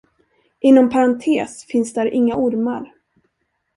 Inom parentes finns där inga ormar.